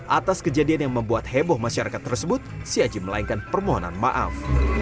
atas kejadian yang membuat heboh masyarakat tersebut si haji melainkan permohonan maaf